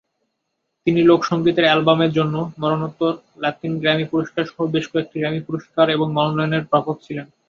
তিনি লোকসঙ্গীতের অ্যালবামের জন্য মরণোত্তর লাতিন গ্র্যামি পুরস্কার সহ বেশ কয়েকটি গ্র্যামি পুরস্কার এবং মনোনয়নের প্রাপক ছিলেন।